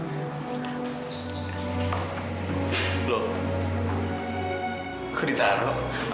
pacaran dia udah eksekusi secara hati hati di dunia